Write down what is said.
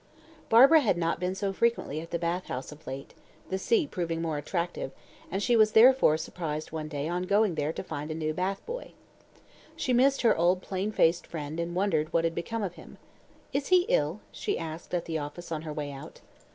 Barbara had not been so frequently at the bath house of late, the sea proving more attractive, and she was therefore surprised one day on going there to find a new bath boy. She missed her old plain faced friend and wondered what had become of him. "Is he ill?" she asked at the office on her way out.